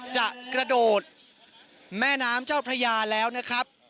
จะกระโดดแม่น้ำเจ้าพระยาแล้วนะครับ